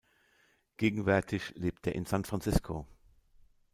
Gegenwärtig lebt er in San Francisco.